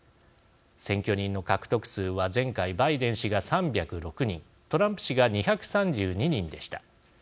選挙人の獲得数は前回、バイデン氏が３０６人トランプ氏が２３２人でした。